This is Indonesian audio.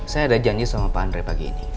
saya ada janji sama pak andre pagi ini